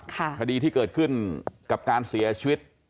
คดีที่เกิดขึ้นกับการเสียชีวิต